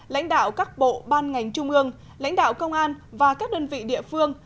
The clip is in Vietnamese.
lãnh đạo các bộ ban ngành trung ương lãnh đạo công an và các đơn vị địa phương